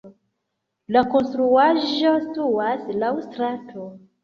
La konstruaĵo situas laŭ strato.